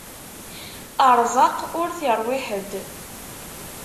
Ṛṛeẓq ur t-iṛwi ḥedd.